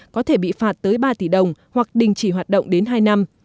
có thể bị phạt tới ba tỷ đồng hoặc đình chỉ hoạt động đến hai năm